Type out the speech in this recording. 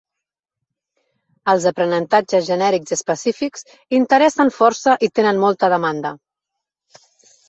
Els aprenentatges genèrics i específics interessen força i tenen molta demanda.